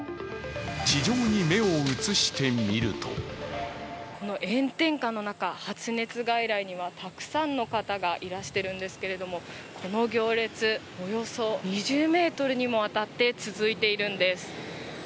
地上に目を移してみると炎天下の中、発熱外来にはたくさんの方がいらしているんですけれども、この行列、およそ２０ｍにもわたって続いているんです。